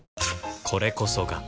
これこそが